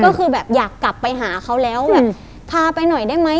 ก็คือแบบอยากกลับไปหาเขาแล้วแบบพาไปหน่อยได้ไหม